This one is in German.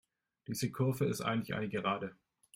Diese Kurve ist eigentlich eine Gerade.